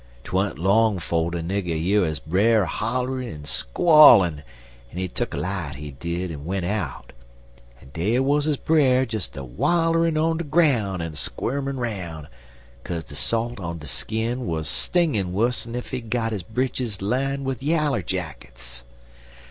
'Twa'n't long 'fo' de nigger year his brer holler'n en squallin', en he tuck a light, he did, en went out, en dar wuz his brer des a waller'n on de groun' en squirmin' 'roun', kaze de salt on de skin wuz stingin' wuss'n ef he had his britches lineded wid yallerjackets.